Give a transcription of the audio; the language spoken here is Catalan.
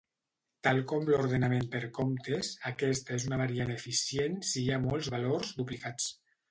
Tal com l'ordenament per comptes, aquesta és una variant eficient si hi ha molts valors duplicats.